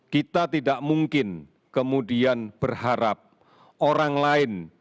kita tidak mungkin kemudian berharap orang lain